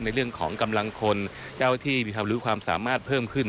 ในเรื่องของกำลังคนเจ้าที่มีความรู้ความสามารถเพิ่มขึ้น